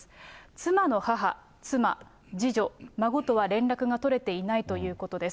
妻の母、妻、次女、孫とは連絡が取れていないということです。